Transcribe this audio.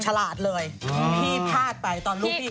ฉลาดเลยพี่พลาดไปตอนลูกพี่